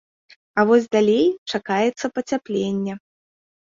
А вось далей чакаецца пацяпленне.